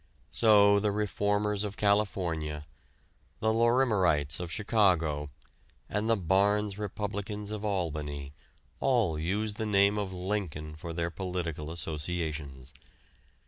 So the reformers of California, the Lorimerites of Chicago, and the Barnes Republicans of Albany all use the name of Lincoln for their political associations.